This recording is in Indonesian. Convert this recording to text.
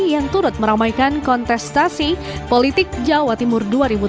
yang turut meramaikan kontestasi politik jawa timur dua ribu tujuh belas